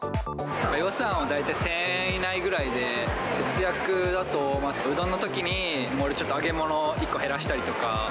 予算は大体１０００円以内ぐらいで、節約だと、うどんのときにちょっと揚げ物１個減らしたりとか。